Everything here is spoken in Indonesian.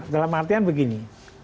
dalam artian begini